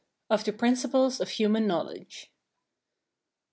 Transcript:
OF THE PRINCIPLES OF HUMAN KNOWLEDGE.